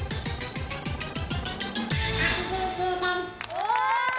お！